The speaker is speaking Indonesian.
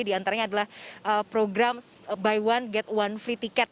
diantaranya adalah program buy one get one free ticket